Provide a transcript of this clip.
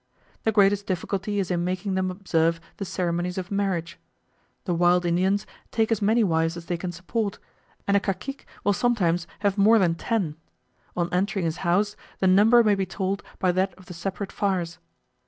The greatest difficulty is in making them observe the ceremonies of marriage. The wild Indians take as many wives as they can support, and a cacique will sometimes have more than ten: on entering his house, the number may be told by that of the separate fires.